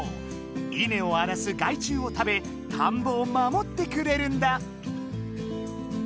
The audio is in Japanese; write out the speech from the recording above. イネをあらす害虫を食べ田んぼを守ってくれるんだ。